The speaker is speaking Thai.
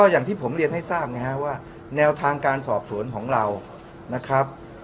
อย่างที่ผมเรียนให้ทราบนะครับว่าแนวทางการสอบสวนของเรานะครับ